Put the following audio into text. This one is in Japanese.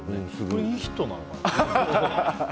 これ、いい人なのかな？